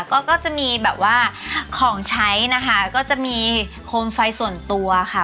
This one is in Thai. ก็ก็จะมีแบบว่าของใช้นะคะก็จะมีโคมไฟส่วนตัวค่ะ